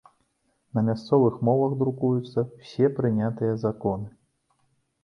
На мясцовых мовах друкуюцца ўсе прынятыя законы.